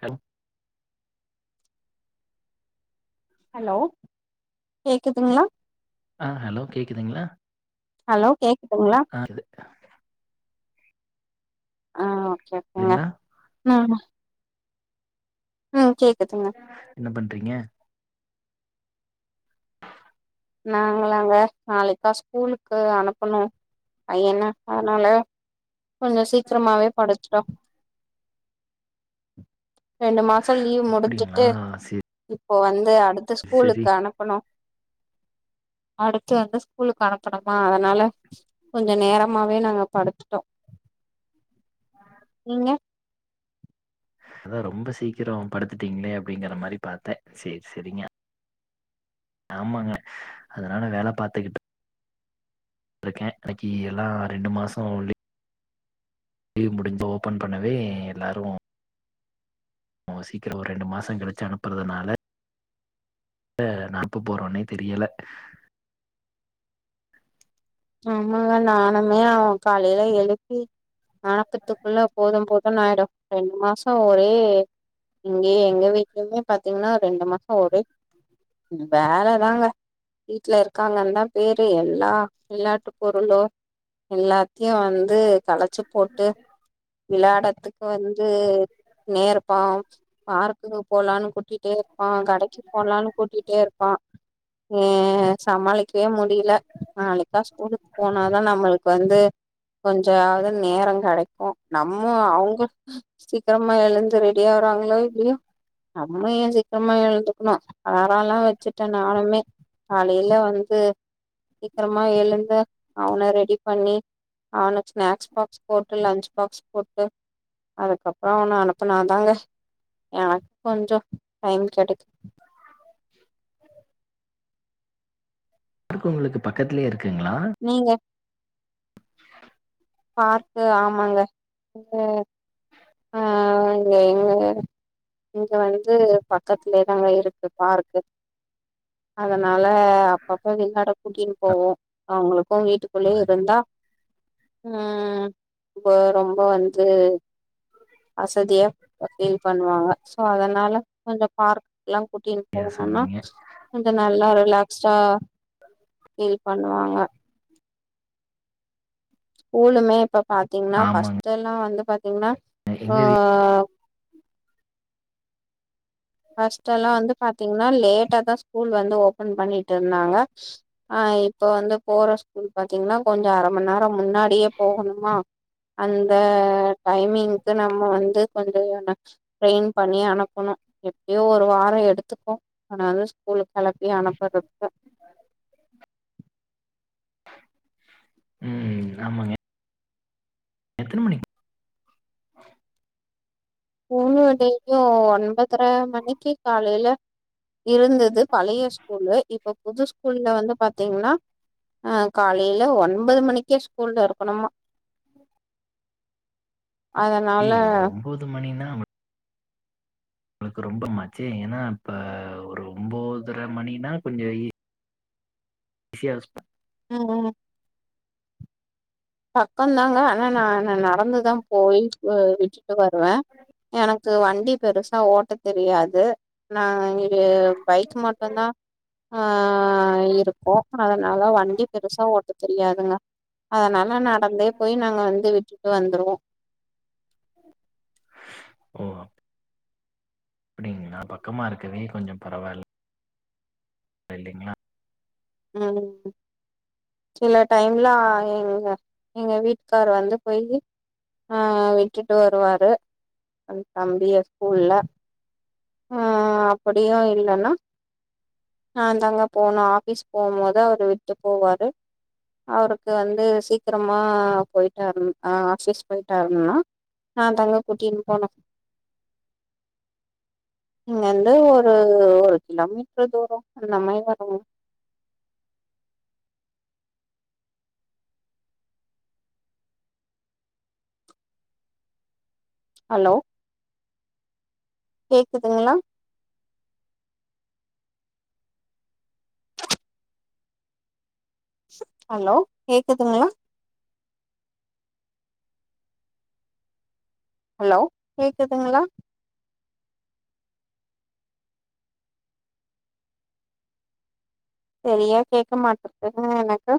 கன் hello கேக்குதுங்ளா ஆ hello கேக்குதுங்ளா ஹலோ கேக்குதுங்ளா ஆகுது ஆ ஓகே ஓகேங்க இதுங்களா ஆமா ம் கேக்குதுங்க என்ன பண்றீங்க நாங்களாங்க நாளைக்தா ஸ்கூலுக்கு அனுப்பனு பையன அதனால கொஞ்ச சீக்கரமாவே படுத்துட்டோ ரெண்டு மாசோ லீவ் அப்டிங்களா முடுஞ்சுட்டு சேரி இப்ப வந்து அடுத்து சேரி ஸ்கூலுக்கு அனுப்பனு அடுத்து வந்து ஸ்கூலுக்கு அனுப்பனுமா அதனால கொஞ்ச நேரமாவே நாங்க படுத்துட்டோ நீங்க அதா ரொம்ப சீக்கிரோ படுத்துட்டீங்ளே அப்டிங்கற மாரி பாத்தே சேர் செரிங்க ஆமாங்க அதனால வேல பாத்துகுட் ருக்கே கடக்கி எல்லா ரெண்டு மாசோ லீ லீவு முடுஞ்சு ஓபன் பண்ணவே எல்லாரு ஓ சீக்கிரோ ஒரு ரெண்டு மாசோ கழுச்சு அனுப்பறதுனால எந்த நாக்கு போறோனே தெரியல ஆமாங்க நானுமே அவ காலையில எழுப்பி அனக்கத்துக்குள்ள போது போதுனாயிடு ரெண்டு மாசோ ஒரே இங்கயே எங்க வீட்லயுமே பாத்தீங்ன்னா ரெண்டு மாசோ ஒரே வேலதாங்க வீட்ல இருக்காங்கன்தா பேரு எல்லா விளாட்டு பொருளு எல்லாத்தியு வந்து களச்சு போட்டு விளாடத்துக்கு வந்து நேரப்பா பார்க்குக்கு போலானு கூட் கூட்டிட்டே இருப்பா கடைக்கி போலானு கூட்டிட்டே இருப்பா எ சமாளிக்கவே முடில நாளைக்தா ஸ்கூலுக்கு போனாதா நம்மளுக்கு வந்து ந்து கொஞ்சாவது நேரோ கெடைக்கு நம்மோ அவுங்க சீக்கரமா எழுந்து ரெடியாறாங்ளோ இல்லயோ நம்ம ஏன் சீக்கரமா எழுந்துக்கணு காரால்லா வெச்சுட்ட நானுமே காலையில வந்து சீக்கிரம் மா எழுந்த அவன ரெடி பண்ணி அவுனுக் ஸ்நாக்ஸ் பாக்ஸ் போட்டு லன்ச் பாக்ஸ் போட்டு அதுக்கப்றோ அவன அனுப்புனாதாங்க எனக்கொஞ்சோ டைம் கெடைக்கி [unintelligible] ர்க் உங்களுக்கு பக்கத்துலயே இருக்குங்ளா நீங்க [unintelligible] பார்க்கு ஆமாங்க உ ஆ இங்க எங்கங்க இங்க வந்து பக்கத்துலேதாங்க இருக்கு பார்க்கு அதனால அப்பப்போ விஹான்னா கூட்டினு போவோ அவுங்களுக்கு வீட்டு குள்ளே இருந்தா ம் பொ ரொம்ப வந்து அசதியா பீல் பண்ணுவாங்க சோ அதனால கொஞ்சோ பார்க் ல்லா கூட்டினு சரியா போனுனா சொன்னீங்க கொஞ்சோ நல்லா ரிலாக்சா பீல் பண்ணுவாங்க ஸ்கூலுமே இப்ப பாத்தீங்ன்னா ஆமாங்க பஸ்டெல்லா வந்து பாத்தீங்ன்னா ஆ எங்க வீ பஸ்டெல்லா வந்து பாத்தீங்ன்னா லேட்டாதா ஸ்கூல் வந்து ஓபன் பண்ணிட்டுருந்தாங்க ஆ இப்ப வந்து போற ஸ்கூல் பாத்தீங்ன்னா கொஞ்சோ அர மணி நேரோ முன்னாடியே போகணுமா அந்த டைமிங்க்கு நம்ம வந்து கொஞ்சோ [unintelligible] ட்ரெயின் பண்ணி அனுப்பணு டியு ஒரு வாரோ எடுத்துக்கு அவன வந்து ஸ்கூலு கெளப்பி அனுப்பறதுக்கு ம் ஆமாங்க எத்தன மணிக் மூணு டெய்லியு ஒன்பதர மணிக்கி காலீல இருந்தது பழைய ஸ்கூலு இப்ப புது ஸ் ஸ்கூல்ல வந்து பாத்தீங்ன்னா ஆ காலைல ஒன்பது மணிக்கே ஸ்கூல்ல இருக்கணுமா [unintelligible] அதனால ஐய்ஐயோ ஒம்பொது மணினா உங்ளுக்கு ரொம்ப மச்சே ஏனா இப்ப ஒரு ஒம்போதர மணின்னா கொஞ்சோ இ ஷியா அஸ்ப ம் ம் பக்கோந்தாங்க ஆனா நா நடந்துதா போயி வி விட்டுட்டு வருவ எனக் து வண்டி பெருசா ஓட்ட தெரியாது நா [unintelligible] பைக் மட்டுந்தா ஆ இருக்கு அதனால வண்டி பெருசா ஓட்ட தெரியாதுங்க அதனால நா நடந்தே போய் நாங்க வந்து விட்டுட்டு வந்துருவோ ஓ அப்டிங்ளா பக்கமா இருக்கவே கொஞ்சம் பரவால இல்லைங்ளா ம் சில டைமெல்லா எங்க எங்க வீட்டுக்கார் வந்து போய் ஆ விட்டுட்டு வருவாரு அந் தம்பிய ஸ்கூல்ல ஆ அப்டியு இல்லனா நான்தாங்க போனு ஆஃபீஸ் போம்போது அவரு விட்டு போவாரு அவருக்கு வந்து சீக்கிரமா போயிட்டார் ஆஃபீஸ் போயிட்டார்னா நான்தாங்க கூட்டின் போனு இங்க இந்து ஒரு ஒரு கிலோமீட்டர் தூரோங்க நம்ம ஏன் வரனு ஹலோ கேக்குதுங்ளா ஹலோ கேக்குதுங்ளா ஹலோ கேக்குதுங்ளா செரியா கேக்க மாட்டுது எனக்கு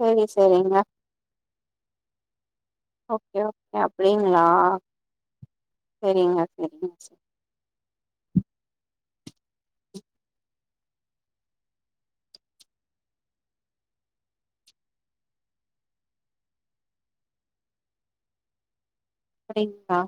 சேரி சேரிங்க ஓகே ஓகே அப்டிங்ளா சேரிங்க சேரிங்க அப்டிங்ளா